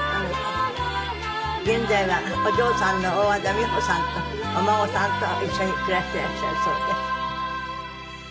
現在はお嬢さんの大和田美帆さんとお孫さんと一緒に暮らしていらっしゃるそうです。